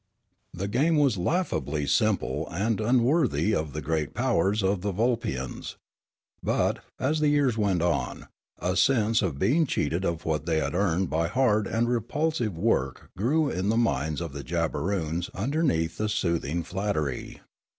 The game was laughably simple and unworthy of the great powers of the Vulpians. But, as years went on, a sense of being cheated of what they had earned by hard and repulsive work grew in the minds of the Jabberoons underneath the soothing flattery.